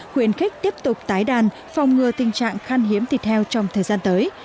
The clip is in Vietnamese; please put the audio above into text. khuyến khích tiếp tục tái đàn phòng ngừa tình trạng khan hiếm thịt heo trong thời gian tới